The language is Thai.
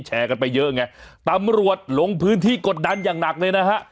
แชร์กันไปเยอะไงตำรวจลงพื้นที่กดดันอย่างหนักเลยนะฮะ